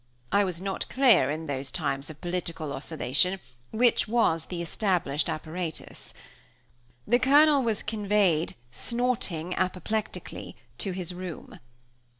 I was not clear, in those times of political oscillation, which was the established apparatus. The Colonel was conveyed, snorting apoplectically, to his room.